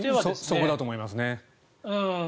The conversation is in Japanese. そこだと思いますね。